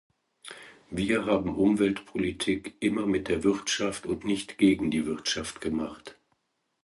Wir haben Umweltpolitik immer mit der Wirtschaft und nicht gegen die Wirtschaft gemacht.